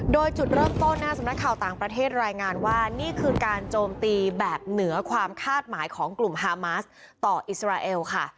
โดยจุดเริ่มต้นสำนักข่าวต่างประเทศรายงานว่านี่คือการโจมตีแบบเหนือความคาดหมายของกลุ่มฮามาสต่ออิสราเอลค่ะ